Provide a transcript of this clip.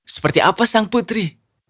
seperti apa sang putri